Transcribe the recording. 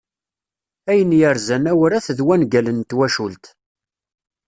Ayen yerzan awrat d wangal n twacult.